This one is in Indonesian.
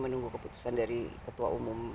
menunggu keputusan dari ketua umum